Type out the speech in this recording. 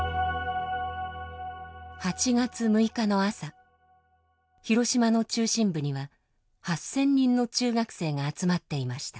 ８月６日の朝広島の中心部には８，０００人の中学生が集まっていました。